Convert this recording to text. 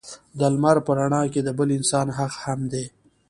د لمر په رڼا کې د بل انسان حق هم دی.